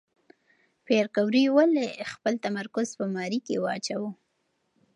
پېیر کوري ولې خپل تمرکز په ماري کې واچاوه؟